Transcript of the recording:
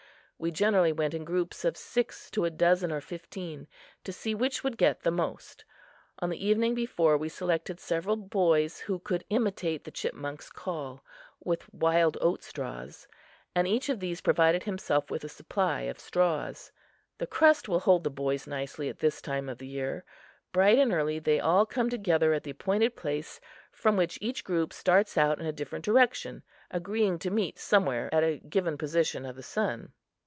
We generally went in groups of six to a dozen or fifteen, to see which would get the most. On the evening before, we selected several boys who could imitate the chipmunk's call with wild oatstraws and each of these provided himself with a supply of straws. The crust will hold the boys nicely at this time of the year. Bright and early, they all come together at the appointed place, from which each group starts out in a different direction, agreeing to meet somewhere at a given position of the sun.